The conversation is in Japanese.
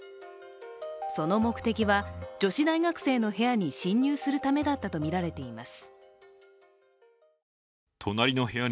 その目的は、女子大学生の部屋に侵入するためだったとみられています。